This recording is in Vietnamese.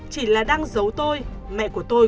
chỉ là đang giấu tôi mẹ của tôi